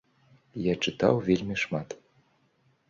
Я чытаў вельмі шмат.